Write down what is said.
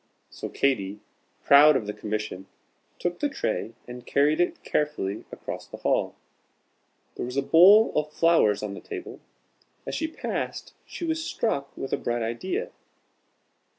So Katy, proud of the commission, took the tray and carried it carefully across the hall. There was a bowl of flowers on the table. As she passed, she was struck with a bright idea.